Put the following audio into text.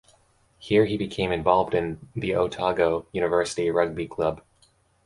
Here he became involved in the Otago University Rugby Club.